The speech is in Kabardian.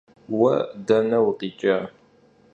Vue dene vukhiç'a?